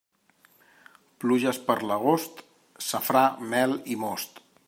Pluges per l'agost: safrà, mel i most.